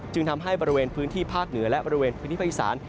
ทำให้บริเวณพื้นที่ภาคเหนือและบริเวณพื้นที่ภาคอีสาน